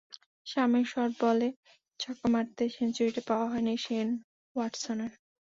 Samir short বলে ছক্কা মারতে গিয়ে সেঞ্চুরিটা পাওয়া হয়নি শেন ওয়াটসনের।